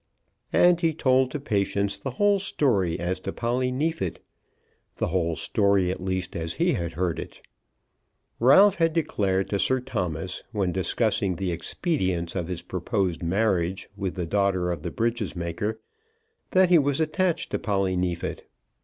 And he told to Patience the whole story as to Polly Neefit, the whole story, at least, as he had heard it. Ralph had declared to Sir Thomas, when discussing the expedience of his proposed marriage with the daughter of the breeches maker, that he was attached to Polly Neefit.